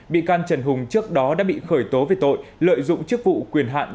bị can trần hùng trước đó đã bị khởi tố về tội lợi dụng chức vụ quyền hạn